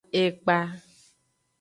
Ekpa.